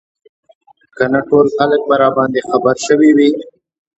که نه ټول خلک به راباندې خبر شوي وو.